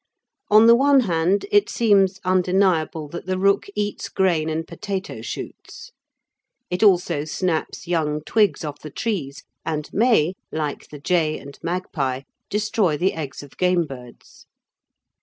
On the one hand, it seems undeniable that the rook eats grain and potato shoots. It also snaps young twigs off the trees and may, like the jay and magpie, destroy the eggs of game birds.